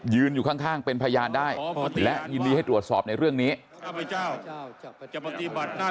อยู่ข้างเป็นพยานได้และยินดีให้ตรวจสอบในเรื่องนี้